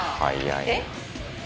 えっ？